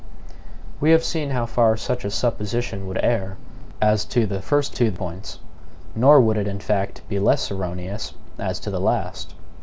We have seen how far such a supposition would err, as to the two first points. Nor would it, in fact, be less erroneous as to the last.